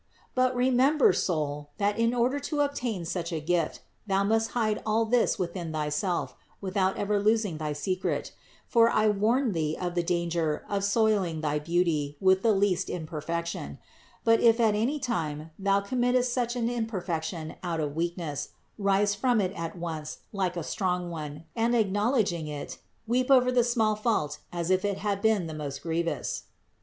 But INTRODUCTION 15 remember, soul, that in order to obtain such a gift, thou must hide all this within thyself, without ever losing thy secret; for I warn thee of the danger of soiling thy beauty with the least imperfection; but if at any time thou committest such an imperfection out of weakness, rise from it at once, like a strong one, and acknowledg ing it, weep over the small fault as if it had been, the most grievous."